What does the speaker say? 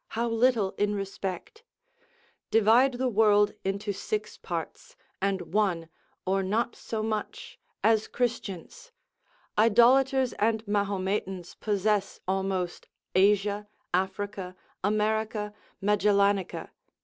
How little in respect! Divide the world into six parts, and one, or not so much, as Christians; idolaters and Mahometans possess almost Asia, Africa, America, Magellanica.